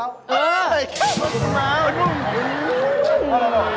ไปหน่อย